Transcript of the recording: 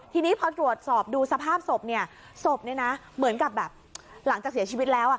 ทีนี้พอตรวจสอบดูสภาพศพเนี่ยศพเนี่ยนะเหมือนกับแบบหลังจากเสียชีวิตแล้วอ่ะ